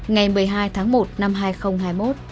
ngày một mươi hai tháng một năm hai nghìn hai mươi một